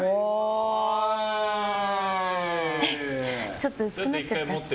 ちょっと薄くなっちゃった。